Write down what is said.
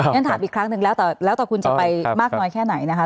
ฉันถามอีกครั้งหนึ่งแล้วแต่คุณจะไปมากน้อยแค่ไหนนะคะ